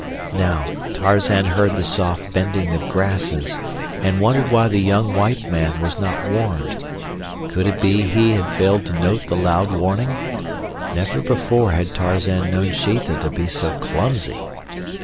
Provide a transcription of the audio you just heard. Now, Tarzan heard the soft bending of grasses and wondered why the young white man was not warned. Could it be he had failed to note the loud warning? Never before had Tarzan known Sheeta to be so clumsy.